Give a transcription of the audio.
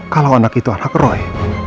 kalau anak itu anak roy